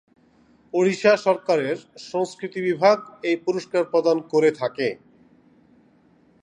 ওড়িশা সরকারের সংস্কৃতি বিভাগ এই পুরস্কার প্রদান করে থাকে।